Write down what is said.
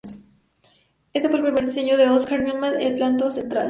Ese fue el primer diseño de Oscar Niemeyer del Planalto Central.